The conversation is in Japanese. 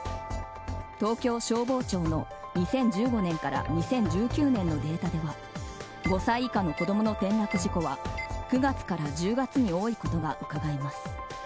東京消防庁の２０１５年から２０１９年のデータでは５歳以下の子供の転落事故は９月から１０月に多いことがうかがえます。